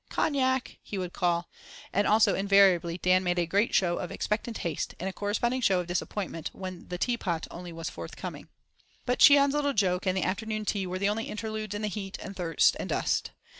"Cognac!" he would call, and also invariably, Dan made a great show of expectant haste, and a corresponding show of disappointment, when the teapot only was forthcoming. But Cheon's little joke and the afternoon tea were only interludes in the heat and thirst and dust.